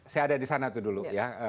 saya ada di sana itu dulu ya